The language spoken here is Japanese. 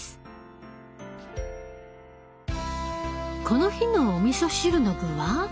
この日のおみそ汁の具は？